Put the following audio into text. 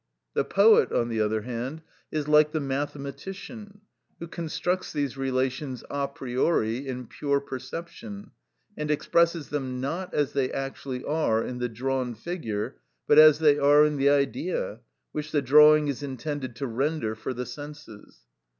The poet, on the other hand, is like the mathematician, who constructs these relations a priori in pure perception, and expresses them not as they actually are in the drawn figure, but as they are in the Idea, which the drawing is intended to render for the senses.